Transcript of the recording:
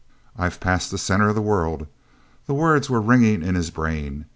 "I've passed the center of the world." The words were ringing in his brain.